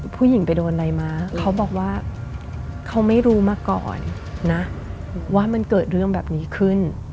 ผู้หญิงไปโดนอะไรมาเขาบอกว่าเขาไม่รู้มาก่อนนะว่ามันเกิดเรื่องแบบนี้ขึ้น